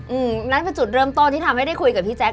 อืมนั่นเป็นจุดเริ่มต้นที่ทำให้ได้คุยกับพี่แจ๊ค